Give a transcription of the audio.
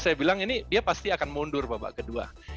saya bilang ini dia pasti akan mundur babak kedua